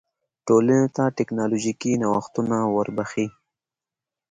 ټولنې ته ټکنالوژیکي نوښتونه نه وربښي.